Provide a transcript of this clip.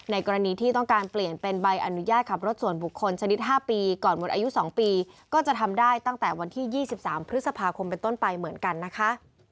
กรณีที่ต้องการเปลี่ยนเป็นใบอนุญาตขับรถส่วนบุคคลชนิด๕ปีก่อนหมดอายุ๒ปีก็จะทำได้ตั้งแต่วันที่๒๓พฤษภาคมเป็นต้นไปเหมือนกันนะคะ